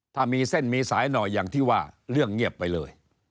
ถ้ามีเส้นมีสายหน่อยอย่างที่ว่าเรื่องเงียบไปเลย